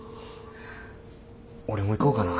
俺も行こうかな。